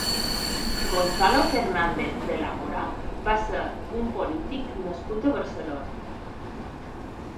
Gonzalo Fernández de la Mora va ser un polític nascut a Barcelona.